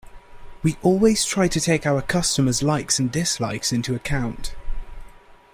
We always try to take our customers’ likes and dislikes into account.